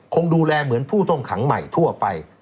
คงดูแลเหมือนผู้ต้องขังใหม่ทั่วไป